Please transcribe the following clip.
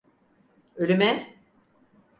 Ölüme!